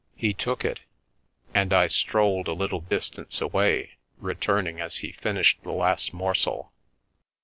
He took it, and I strolled a little distance away, returning as he finished the last morsel.